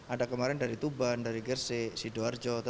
ada kemarin dari tuban dari gersik sidoarjo